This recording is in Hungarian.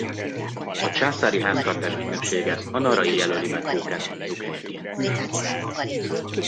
A Császári Háztartás Ügynöksége a narai jelöli meg Kóken nyughelyeként.